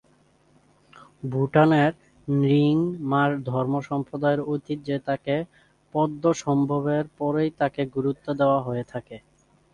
ভুটানের র্ন্যিং-মা ধর্মসম্প্রদায়ের ঐতিহ্যে তাকে পদ্মসম্ভবের পরেই তাকে গুরুত্ব দেওয়া হয়ে থাকে।